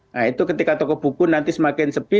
nah itu ketika toko buku nanti semakin sepi